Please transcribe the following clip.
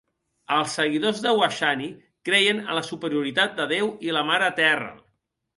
Els seguidors de Washani creien en la superioritat de Deu i la Mare Terra.